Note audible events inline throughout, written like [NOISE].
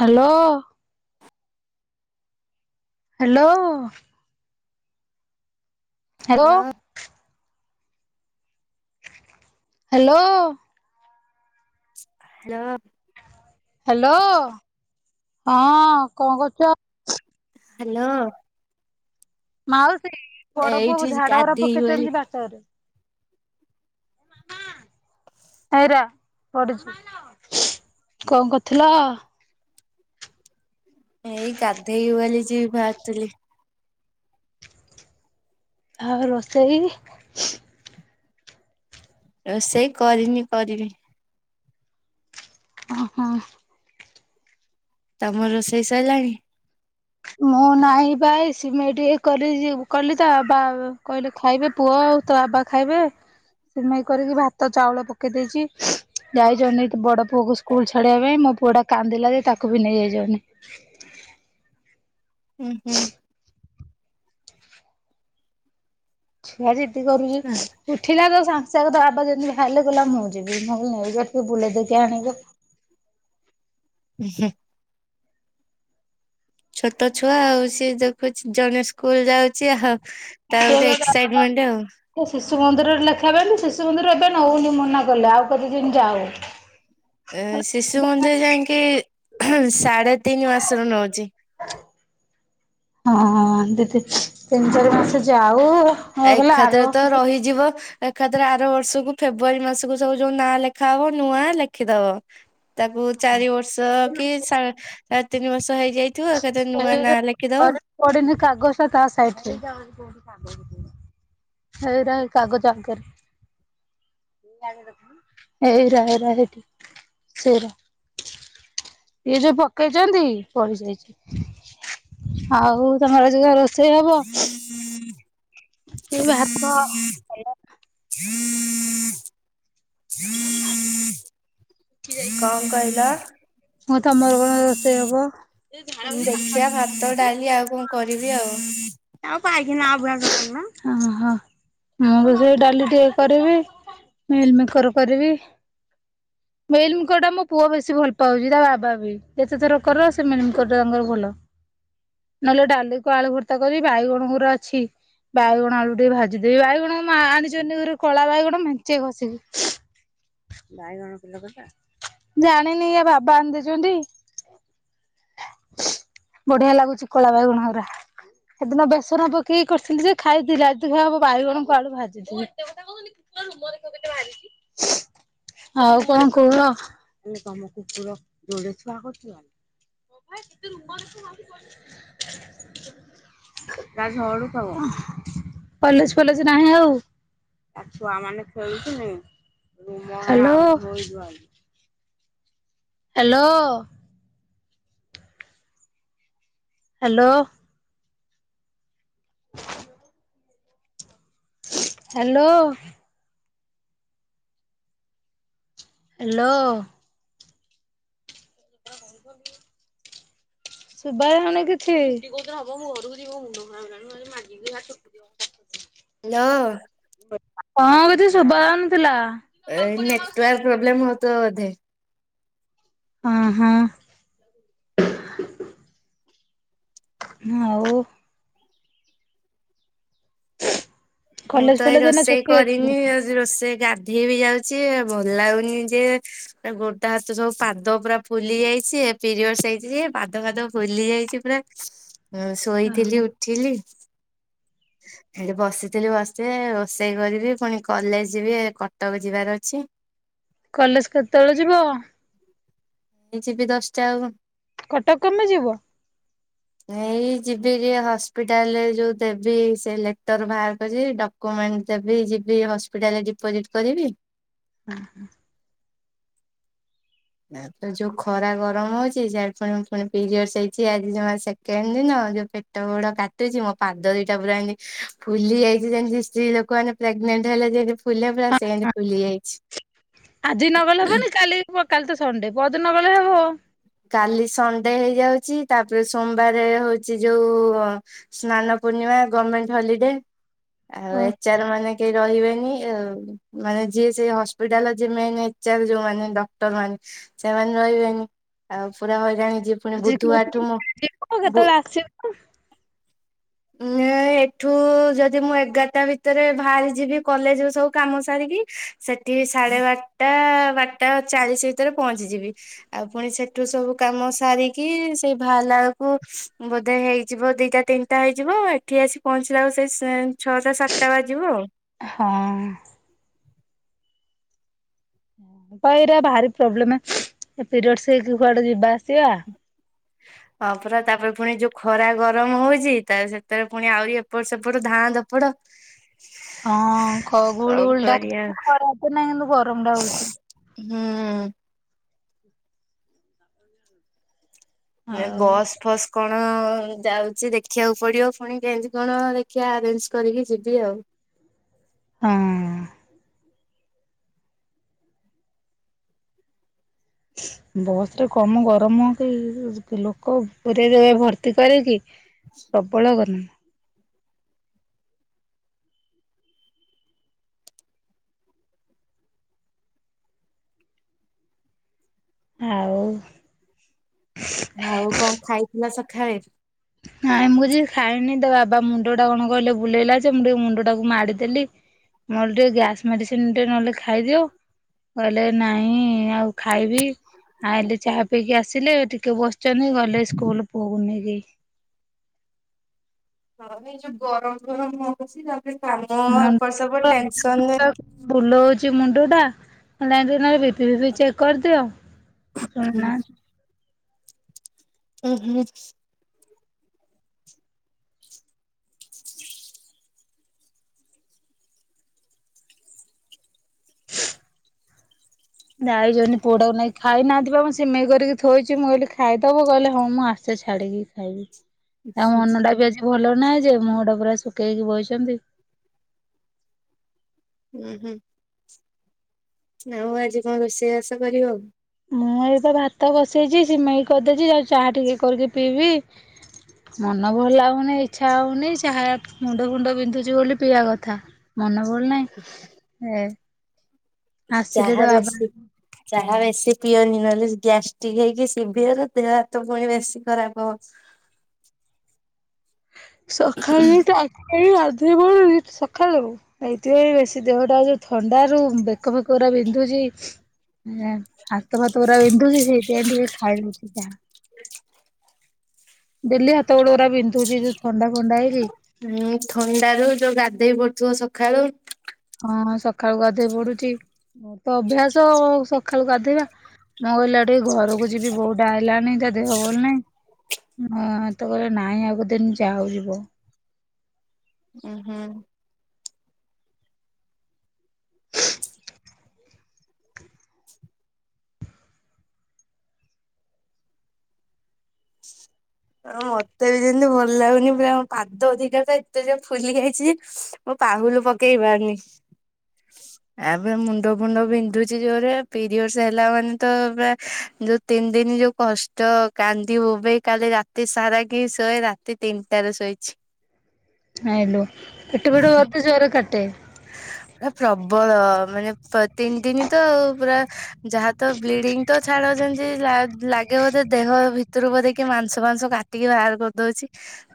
Hello. Hello. Hello ଲୋ hello hello. Hello! ହଁ କଣ କରୁଚ? ହାଲୋ ମାଉସୀ ବଡ଼ ପୁଅକୁ ଏଇଠି ଝାଡ଼ା ଉରା ଗାଧେଇ ବୋଲି ପକେଇଛନ୍ତି ବାଟରେ। କଣ କରୁଥିଲ? ଏଇ ଗାଧେଇ ବି ବଲି ଯିବି ଭାରଥୁଲି। ଆଉ ରୋଷେଇ? ରୋଷେଇ କରିନି କରିବି। ଓହୋ। ତମ ରୋଷେଇ ସରିଲାଣି। ମୁଁ ନାଇଁପା ଏଇ ସିମେଇ ଟିକେ କରିଛି କଲି ତ ବା କହିଲେ ଖାଇବେ ପୁଅ ଆଉ ତ ବାବା ଖାଇବେ ସିମେଇ କରିକି ଭାତ ଚାଉଳ ପକେଇ ଦେଇଛି ତ ଯାଇଛନ୍ତି ବଡ଼ ପୁଅକୁ ସ୍କୁଲ ଛାଡ଼ିବା ପାଇଁ ମୋ ପୁଅ ଟା କାନ୍ଦିଲା ଯେ ତାକୁ ବି ନେଇ ଯାଇଛନ୍ତି। ହୁଁ ହୁଁ। ଛୁଆ ଜିଦ୍ଦି କରୁଛି। ଉଠିଲା ତ ସାଙ୍ଗେସଙ୍ଗ ତା ବାବା ଯେମିତି ବାହାରିଲେ କହିଲା ମୁଁ ଯିବି ମୁଁ କହିଲି ନେଇଯା ଟିକେ ବୁଲେଇ ଦେଇକି ଆଣିବ। ଉ ହୁଁ। ଛୋଟ ଛୁଆ ଆଉ ସିଏ ଯେଖୁଛି ଜଣେ ଶ ସ୍କୁଲ ଯାଉଛି ଆଉ ତା ସିଏ ଗୋଟେ ବା ତା ବାବା ଏକ୍ସାଇଟମେଣ୍ଟ ଆଉ। ଶିଶୁ ମନ୍ଦିରରେ ଲେଖିବା ପାଇଁ ଯେ ଶିଶୁ ମନ୍ଦିର ଏବେ ନଉନି ମନା କଲେ ଆଉ କେତେ ଦିନ ଜାଉ। ଏ ଶିଶୁ ମନ୍ଦିର ଯାଇକି ସାଢେ଼ ତିନି ମାସରୁ ନଉଛି। ହଁ ଦିଦି ତିନି ଚାରି ମାସ ଯାଉ। ଆ ଗଲା ଏଖାଥରେ ଆର ତ ରହିଯିବ। ଏକାଥରେ ଆର ବର୍ଷକୁ ଫେବୃୁଆାରୀ ମାସକୁ ସବୁ ଯୋଉ ନାଁ ଲେଖା ହବ ନୂଆ ଲେଖିଦବ। ତାକୁ ଚାରି ବର୍ଷ କି ସା ଆ ତିନି ବର୍ଷ ହେଇଯାଇଥିବ ଏକାଥରେ ନୂଆ ନାଁ ଲେଖିଦବ। ପଡ଼ିନୀ କାଗଜଟା ତା ସାଇଟ ରେ ହେଇଟା ହେଇ କାଗଜ ଆଗରେ। ହେଇରା ହେଇରା ହେଇଠି ସେଇରା। ଇଏ ଯୋଉ ପକେଇଛନ୍ତି ପଡ଼ି ଯାଇଛି। ଆଉ ତମର ଆଜି କଣ ରୋଷେଇ ହବ? କଣ କହିଲ? ହଁ ତମର କଣ ରୋଷେଇ ହବ? ହଟ ଡାଲି ଆଉ କଣ କରିବି ଆଉ। ମୁଁ ତ ସେଇ ଡାଲି ଟିକେ କରିବି। ମିଲ ମିକର କରିବି। ମେଲମିକରଟା ମୋ ପୁଅ ବେଶୀ ଭଲ ପାଉଛି ତା ବାବା ବି ଯେତେ ଥର କର ସେ ମେଲମିକରଟା ତାଙ୍କର ଭଲ। ନହେଲେ ଡାଲିକୁ ଆଳୁ ଭର୍ତ୍ତା କରିବି ବାଇଗଣ ଗୁରା ଅଛି। ବାଇଗଣ ଆଳୁ ଟିକେ ଭାଜିଦେବି ବାଇଗଣ ଆଣିଛନ୍ତି ଗୁରେ କଳା ବାଇଗଣ ମେଞ୍ଚେ କଷିକି। ଜାଣିନି ୟା ବାବା ଆଣିିଦେଇଛନ୍ତି। ବଢ଼ିଆ ଲାଗୁଛି କଳା ବାଇଗଣ ଗୁରା। ହେଦିନ ବେସନ ପକେଇକି କରିଥିଲି ଯେ ଖାଇଥିଲି ଆଜି [UNINTELLIGIBLE] ବାଇଗଣଙ୍କୁ ଆଳୁ ଭାଜିଦେବୀ। [INAUDIBLE] ଆଉ କଣ କୁହ? [INAUDIBLE] କଲେଜ ଫଲେଜ ନାହିଁ ଆଉ। ତା ଛୁଆମାନେ ଖେଳୁଛନ୍ତି ହ୍ୟାଲୋ। ହ୍ୟାଲୋ ହ୍ୟାଲୋ ହ [INAUDIBLE] ହ୍ୟାଲୋ ହ୍ୟାଲୋ [INAUDIBLE] ଶୁଭା ଯାଉନି କିଛି? ମାାଗେ ବି ହଛଟି ଦୋ [UNINTELLIGIBLE] ନ [INAUDIBLE] କଣ କହୁଚୁ ଶୁଭାଯାଉନଥିଲା। ନେଟ କ୍ଲା ପ୍ରୋବ୍ଲେମ ହେଉ ମଧେ [UNINTELLIGIBLE] ହ ହଁ। ହଉ। ମୁଁ କଲେଜ ତ ଏଇ ଫଲେଜ ଏଇନା ରୋଷେଇ ଛୁଟି ଅଛି କରିନି। ଆ ରୋଷେଇ ଗାଧେଇ ବି ଯାଉଛି। ଭଲ ଲଉନି ଯେ- ଗୋଟା ହାତ ସବୁ ପାଦ ପୁରା ଫୁଲି ଯାଇଛି ପିରିୟଡ ହେଇଛି। ପାଦ ଫାଦ ଫୁଲି ଯାଇଛି ପୁରା। ହ [INAUDIBLE] ହଁ ଶୋଇଥିଲି ଉଠିଲି ସେଠ ବସି- କଥିଲି ବସିବେ ରୋଷେଇ କରିବି। ପୁଣି କଲେଜ ଯିବି କଟକ ଯିବାର ଅଛି। କଲେଜ କେତେବେଳେ ଯିବ? ଯିବି ଦଶଟା ଆଉ। କଟକ କେମିତି ଯିବ। ଏଇ ଯିବି ଯେ ହସ୍ପିଟାଲରେ ଯୋଉ ଦେବି ସେ ଲେଟର ବାହାର କରି ଡ [UNINTELLIGIBLE] ଦେବି ଯିବି ହସ୍ପିଟାଲରେ ଡିପୋଜିଟ୍ କରିବି ହୁଁ ହୁଁ [UNINTELLIGIBLE] ତା ଯୋଉ ଖରା ଗରମ ହଉଛି। ପୁଣି ପିରିଅଡ ହେଇଛି ଆଜି ସେକଣ୍ଡ ଦିନ। ଯୋଉ- ହାତ ଗୋଡ଼ କାଟୁଛି। ମୋ ପାଦ ଦିଟା ପୁରା ଏତି ଫୁଲି ଯାଇଛି ଯେମତି ସ୍ତ୍ରୀ ଲୋକମାନେ- ପ୍ରେଗନେଣ୍ଟ ହେଲେ ଯେମିତି ଫୁଲେ ସେଭଡ଼ିଆ ହଁ ସେଇମିତି ଫୁଲି ଯାଇଛି। ଆଜି ନଗଲେ ହବନି, କାଲି କାଲି ତ ସଣ୍ଡେ ପଦ ନ ଗଲେ ହବ। କାଲି ସଣ୍ଡେ ହେଇଯାଉଛି। ତାପରେ ସୋମବାର ହଉଛି ଯୋଉ ସ୍ନାନ ପୂର୍ଣ୍ଣିମା ଗଭର୍ଣମେଣ୍ଟ ହଲିଡେ ଆଉ ଓ ଏଚର ମାନେ କେହି ରହିବେନି ଆଉ। ମାନେ ଯିଏ ସେଇ ହସ୍ପିଟାଲ ମେନ ଏଚ ଆର ଯୋଉ ମାନେ ଡକ୍ଟର ମାନେ ସେମାନେ ରହିବେନି। ଆଉ ପୁରା ହଇରାଣୀ ଯିବ ଆ ଯେ କେିବ କେତ ଲାଗଛି [UNINTELLIGIBLE] ହ [INAUDIBLE] ଏଠୁ ଯଦି ମୁଁ ଏଗାରଟା ଭିତରେ ବାହାରି ଯିବି କଲେଜ ସବୁ କାମ ସାରିକି- ସେଠି ସାଢେ ବାରଟା ବାରଟା ଚାଳିଶ ଭିତରେ ପହଞ୍ଚିଯିବି। ଆଉ ପୁଣି ସେଠୁ ସବୁ କାମ ସାରିକି ସେଇ ବାକୁ ବୋଧେ ହେଇଯିବ ଦିଟା ତିନିଟା। [UNINTELLIGIBLE] ହେଇଯିବ ଏଠି ଆସି ପହଞ୍ଚିଲା ବଳ ସେଇ ଛଅଟା ସାତଟା ବାଜିବ ଆଉ। ହଁ। ଏଇଟା ଭାରି ପ୍ରୋବ୍ଲେମ ପିରିଡସ୍ ହେଇକି କୁଆଡେ ଯିବା ଆସିବା। ହଁ ପୁରା ତାପରେ ପୁଣି ଯୋଉ ଖରା ଗରମ ହଉଛି ତା ସେତରେ ପୁଣି ଆହୁରି ଏପଟ ସେପଟ ଧାଁ ଦପଡ। ହଁ କଣ କରିବା ଗୁଳଗୁଳିଟା ଖରା ତ ନାହିଁ କିନ୍ତୁ ଗରମ ଟା ହଉଛି। ହୁଁ। ଏ ଆଉ। ବସ୍ ଫସ୍। କଣ ଯାଉଛି ଦେଖିବାକୁ ପଡିବ ପୁଣି କେନ୍ତି କଣ ଦେଖିବା ଆରେଞ୍ଜ କରିକି ଯିବି ଆଉ। ହଁ। ବସ ରେ କମ ଗରମ କି ଲୋକ ପୁର ଦେବେ ଭର୍ତ୍ତି କରରେଇଁ କି ପ୍ରବଳ ଗନ [UNINTELLIGIBLE] ଆଉ ଆଉ କଣ ଖାଇଥିଲ ସଖାଳେ? ନାଇଁ ମୁଁ କିଛି ଖାଇନି ତ ବାବା ମୁଣ୍ଡ ଟା କଣ କହିଲେ ବୁଲେଇଲା ଯେ ମୁଁ ଟିକେ ମୁଣ୍ଡ ଟାକୁ ମାଡିଦେଲି ମୁଁ କହିଲି ଟିକେ ଗ୍ୟାସ୍ ମେଡିସିନ ଟିକେ ନହେଲେ ଖାଇଦିଅ। କହିଲେ ନାଇଁ ଆଉ ଖାଇବି ଆ ହେଲେ ଚାହା ପଇକି ଆସିଲେ ଟିକେ ବସିଛନ୍ତି ଗଲେ ସ୍କୁଲ ପଅକୁ ନେଇକି। ହଁ ଏଇ ଯୋଉ ଗରମ ଫରମ ହଉଛି ତାପରେ କାମ ଏପଟ ସେପଟ ଟେନସନରେ ବୁଲୋଉଚି ମୁଣ୍ଡଟା ନହେଲେ ଜାଇ ବିପି ଫିପି ଚେକ୍ କରିଦିଅ। ସୋଇ ନା ହଁ ହୁଁ ଯାଇଛନ୍ତି ପୁଆଟାକୁ ନେଇକି ଖାଇ ନାହାଥିବା ମୁଁ ସିମେଇ କରିକି ଥୋଉଚି ମୁଁ କହିଲି ଖାଇଦବ କହିଲେ ହଁ ମୁଁ ଆସ ସେ ଛାଡ଼ିକି ଖାଇବି। ଆଉ ମନ ଟା ବି ଆଜି ଭଲ ନାହିଁ ଯେ ମୁହଁ ଟା ପୁରା ଶୁଖେଇକି ବଇଛନ୍ତି। ହୁଁ ହୁଁ। ଆଉ ଆଜି କଣ ରୋଷେଇବାଷ କରିବ? ମୁଁ ଏଇ ତ ଭାତ ବସେଇଛି ସିମେଇ କରିଦେଇଛି ଯାଉଚି ଚାହା ଟିକେ କରିକି ପିଇବି। ମନ ଭଲ ଲାଗୁନି ଇଚ୍ଛା ହଉନି ଚାହା ମୁଣ୍ଡ ଫୁଣ୍ଡ ବିନ୍ଧୁଛି ବୋଲି ପିଇବା କଥା। ମନ ଭଲ ନାହିଁ ଏ ଆସିଲେ ଚାହା ତ ବାବା ବେଶୀ ଚାହା ବେଶୀ ପିଅନି ନହେଲେ ଗ୍ୟାଷ୍ଟ୍ରିକ ହେଇକି ଶଭିିଅର ଦେହ ହାତ ପୁଣି ବେଶୀ ଖରାପ ହବ। ସକାଳେ ଟାଙ୍କୀ ପାଣିରେ ଗାଧେଇପଡୁଚି ସଖାଳୁ ଏଇଥିପାଇଁ ବେଶୀ ଦେହଟା ଯୋଉ ଥଣ୍ଡାରୁ ବେକ ଫେକ ଗୁରା ବିନ୍ଧୁଚି ହାତ ଫାତ ପୁରା ବିନ୍ଧୁଛି ସେଇଥି ପାଇଁ ଟିକେ ଖାଇଦେଇଛି ଚାହା। ଡେଲି ହାତ ଗୋଡ଼ ଗୁରା ବିନ୍ଧୁଛି ଯୋଉ ଥଣ୍ଡା ଫଣ୍ଡା ହେଇକି ହୁଁ ଥଣ୍ଡାରୁ ଯୋଉ ଗାଧେଇ ପଡୁଥିବ ସକାଳୁ ହଁ ହଁ ସକାଳୁ ଗାଧୋଇ ପଡୁଚି ମୋର ତ ଅଭ୍ୟାସ ସକାଳୁ ଗାଧୋଇବା। ମୁଁ କହିଲି ଆଉ ଟିକେ ଘରକୁ ଯିବି ବୋଉଟା ଆଇଲାନି ତା ଦେହ ଭଲ ନାହିଁ। ହଁ ତ କହିଲ ନାଇଁ ଆଉ କେତେ ଦିନ ଯାଉ ଯିବ। ଓ ହୁଁ। ହଁ ମତେ ବି ଯେମିତି ଭଲ ଲାଗୁନି ପୁରା ମୋ ପାଦ ଦିଟା ତ ଏତେ ଯେ ଫୁଲି ଯାଇଚି ଯେ ମୁଁ ପାହୁଲୁ ପକେଇପାରୁନି। [INAUDIBLE] ଆପରେ ମୁଣ୍ଡ ଫୁଣ୍ଡ ବିନ୍ଧୁଛି ଜୋରେ ପିରିୟଡସ୍ ହେଲା ମାନେ ତ ପୁରା ଯୋଉ ତିନି ଦିନ ଯୋଉ କଷ୍ଟ କାନ୍ଦି ବୋବେଇ କାଲି ରା ରାତି ସାରା କି ଶୋଏ ରାତି ତିନିଟାରେ ଶୋଇଚି। ଆଇଲୁ ପେଟ ଫେଟ ଅତି ଜୋରେ କାଟେ ପୁରା ପ୍ରବଳ ମାନେ ତିନି ଦିନି ତ ଆଉ ପୁରା ଯାହା ତ ବ୍ଲିଡିଙ୍ଗ ତ ଛାଡ ଯେମତି ଲାଗେ ବୋଧେ ଦେହ ଭିତରୁ ବୋଧେ କିଏ ମାଂସ ମାଂସ କା ଟିକି ବାହାର କରିଦଉଛି।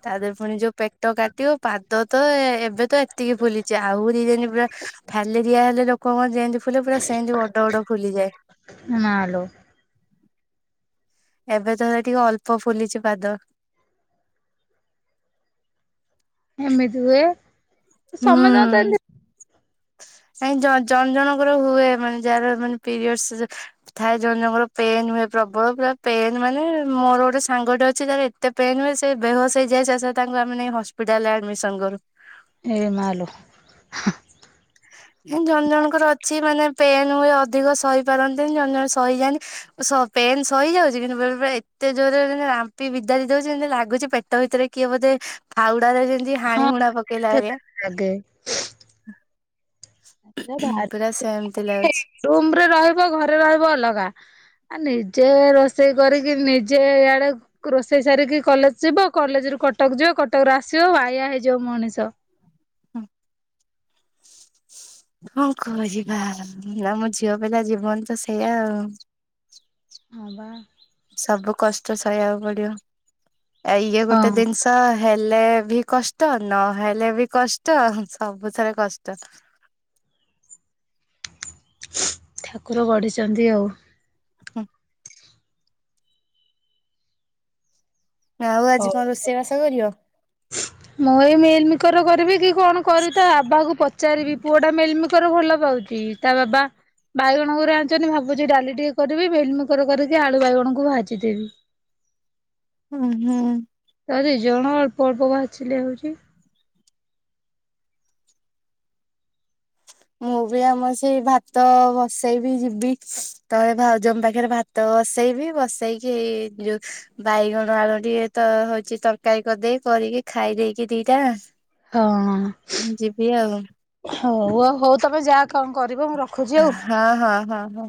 ତା ଦେହରେ ପୁଣି ଯୋଉ ପେଟ କାଟିବ ପାଦ ତ ଏବେ ତ ଏତିକି ଫୁଲିଛି ଆଉ ଦି ଦିନ ପୁରା ଫ୍ୟାଲେରିଆ ହେଲେ ଲୋକଙ୍କର ଯେମିତି ଫୁଲେ ପୁରା ସେମିତି ବଡ ବଡ ଫୁଲିଯାଏ। ମାଲୋ ଏବେ ତ ହେଲେ ଟିକେ ଅଳ୍ପ ଫୁଲିଛି ପାଦ। ଏମିତି ହୁଏ ସମସ୍ତଙ୍କର ତ ଏମତି କାଇ ଜଣ ଜଣଙ୍କର ହୁଏ ମାନେ ଯାହାର ମାନେ ପିରିୟଡରେ ଥାଏ ଜଣ ଜଣଙ୍କର ପେନ୍ ହୁଏ ପ୍ରବଳ ପୁରା ପେନ୍ ମାନେ ମୋର ଗୋଟେ ସାଙ୍ଗଟେ ଅଛି ତାର କେତେ ପେନ ହୁଏ ସେ ବେହସ ହେଇଯାଏ ସେଶରେ ତାଙ୍କୁ ଆମେ ନେଇ ହସ୍ପିଟାଲରେ ଆଡମିସନ କରୁ। ଏ ମାଲୋ ଏମିତି ଜଣ ଜଣଙ୍କର ଅଛି ମାନେ ପେନ୍ ହୁଏ ଅଧିକ ସହି ପାରନ୍ତି ଜଣ ଜଣେ ସହିଯାଆନ୍ତି ତ ସ ପେନ୍ ସହିଯାଉଛି କିନ୍ତୁ ବେଳେବେଳେ ଏତେ ଜୋରରେ ରାମ୍ପି ବିଦାରି ଦଉଛି ଏମିତି ଲାଗୁଛି ଯେ ପେ ଟ ଭିତରେ କିଏ ବୋଧେ ଫାଉଡାରେ ଯେମିତି ହଁ ହାଣି ହୁଣା ପକେଇଲା ଭଳିଆ। ଲାଗେ ପୁରା ସେମିତି ଲାଗୁଛି। ରୁମ ରେ ରହିବ ଘରେ ରହିବ ଅଲଗା। ଆ ନିଜେ ରୋଷେଇ କରିକି ନିଜେ ଇଆଡେ ରୋଷେଇ ସାରିକି କଲେଜ ଯିବ କଲେଜ ରୁ କଟକ ଯିବ କଟକୁ ଆସିବ ବାଇଆ ହେଇଯିବ ମଣିଷ। କଣ କରିବା ଆମ ଝିଅ ପିଲା ଜୀବନ ତ ସେଇଆ ଆଉ। ହଁ ବା। ସବୁ କଷ୍ଟ ସହିଆକୁ ପଡିବ ଆ ଇଏ ଗୋଟେ ହଁ ଜିନିଷ। ତ ହେଲେ ବି କଷ୍ଟ ନହେଲେ ବି କଷ୍ଟ ସବୁଥେରେ କଷ୍ଟ। ଠାକୁର ଗଢିଛନ୍ତି ଆଉ। ହୁଁ। ଆଉ ଆଜି ହଉ। କଣ ରୋଷେଇବାସ କରିବ? ମୁଁ ଏଇ ମେଲମିକର କରିବି କି କଣ କର ତା ବାବାକୁ ପଚାରିବି ପୁଅ ଟା ମେଲମିକର ଭଲ ପାଉଛି। ତା ବାବା ବାଇଗଣଙ୍କୁୁ ଆଣିୁଛନ୍ତି ଭାବୁଛିି ଡାଲି ଟିକେ କରିବି ବେଲିମୁକର କରିକି ଆଳୁ ବାଇଗଣଙ୍କୁ ଭାଜି ଦେେବି। ହୁଁ ହୁଁ। ତ ଦିଇ ଜଣ ଅଳ୍ପ ଅଳ୍ପ ବା ବାସିଲେ ହଉଛି। ମୁଁ ବି ଆମ ସେଇ ଭାତ ଭସେଇବି ଯିବି। ତଳେ ଭାଉଜମ ପାଖରେ ଭାତ ବସେଇବି ବସେଇକି ଯୋଉ ବାଇଗଣ ଆଳୁ ଟିକେ ତ ହଉଛି ତରକାରୀ କରିଦେଇ କରିକି ଖାଇ ଦେଇେଇକି ଦିଟା ହଁ ଯିବି ଆଉ। ହଉ ହଉ ତମେ ଯାହା କଣ କରିବ ମୁଁ ରଖୁଛି ଆଉ। ହଁ ହଁ ହଁ ହଁ।